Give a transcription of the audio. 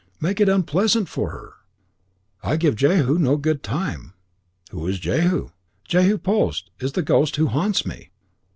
Make it unpleasant for her. I give Jehu no good time." "Who is Jehu?" "Jehu Post is the ghost who haunts me.